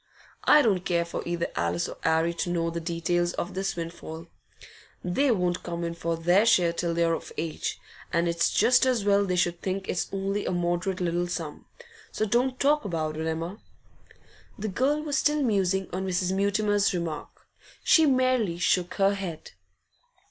I don't care for either Alice or 'Arry to know the details of this windfall. They won't come in for their share till they're of age, and it's just as well they should think it's only a moderate little sum. So don't talk about it, Emma.' The girl was still musing on Mrs. Mutimer's remark; she merely shook her head.